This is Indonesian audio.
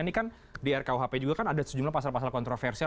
ini kan di rkuhp juga kan ada sejumlah pasal pasal kontroversial